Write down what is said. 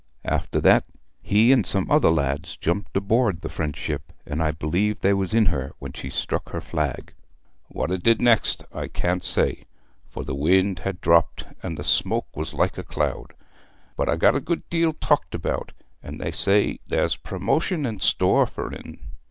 After that he and some other lads jumped aboard the French ship, and I believe they was in her when she struck her flag. What 'a did next I can't say, for the wind had dropped, and the smoke was like a cloud. But 'a got a good deal talked about; and they say there's promotion in store for'n.'